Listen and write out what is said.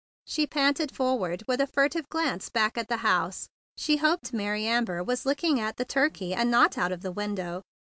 She panted forward with a furtive glance back at the house. She hoped Mary Amber was looking at the turkey and not out of the window.